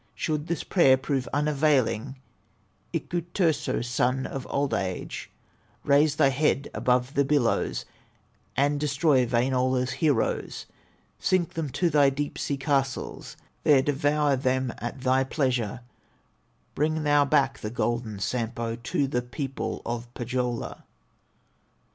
"Should this prayer prove unavailing, Iku Turso, son of Old age, Raise thy head above the billows, And destroy Wainola's heroes, Sink them to thy deep sea castles, There devour them at thy pleasure; Bring thou back the golden Sampo To the people of Pohyola!